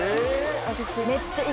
私めっちゃ。